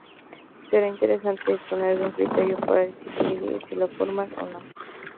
Será interesante disponer de un criterio para decidir si la forman o no.